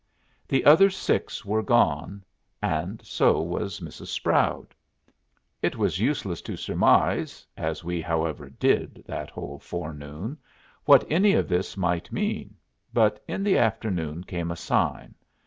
The other six were gone, and so was Mrs. Sproud. It was useless to surmise, as we, however, did that whole forenoon, what any of this might mean; but in the afternoon came a sign.